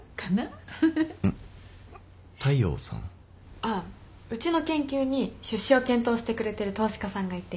ああうちの研究に出資を検討してくれてる投資家さんがいて。